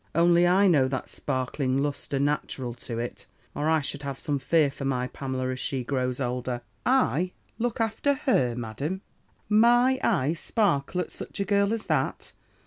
Only I know that sparkling lustre natural to it, or I should have some fear for my Pamela, as she grows older.' "'I look after her. Madam! My eyes sparkle at such a girl as that!